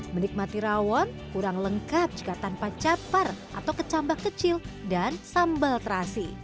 menikmati rawon kurang lengkap jika tanpa capar atau kecambak kecil dan sambal terasi